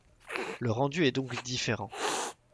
Le rendu est donc différent.